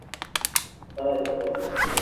By, বাবা!